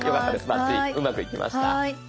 バッチリうまくいきました。